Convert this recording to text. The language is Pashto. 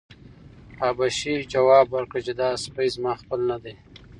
حبشي ځواب ورکړ چې دا سپی زما خپل نه دی.